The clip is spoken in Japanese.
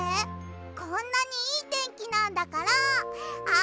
こんなにいいてんきなんだからあそぼうよ！